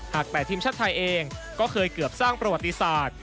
๘ทีมชาติไทยเองก็เคยเกือบสร้างประวัติศาสตร์